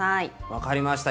分かりました。